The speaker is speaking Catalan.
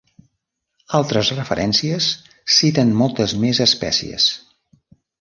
Altres referències citen moltes més espècies.